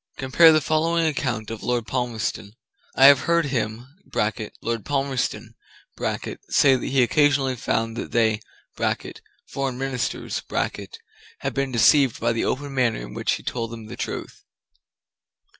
Compare the following account of Lord Palmerston: "I have heard him [Lord Palmerston] say that he occasionally found that they [foreign ministers] had been deceived by the open manner in which he told them the truth."